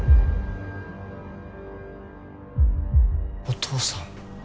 お父さん。